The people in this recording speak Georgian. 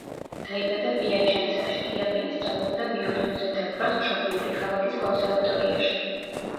დაიბადა პიაჩენცაში, კიაპინი სწავლობდა ვიოლინოზე დაკვრას მშობლიური ქალაქის კონსერვატორიაში.